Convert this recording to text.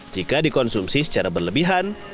jika dikonsumsi secara berlebihan